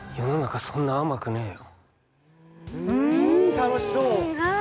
楽しそう。